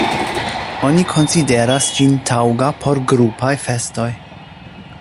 Oni konsideras ĝin taŭga por grupaj festoj.